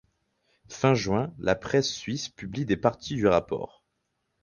Fin juin, la presse suisse publie des parties du rapport.